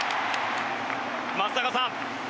松坂さん。